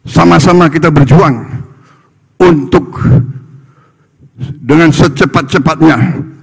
sama sama kita berjuang untuk dengan secepat cepatnya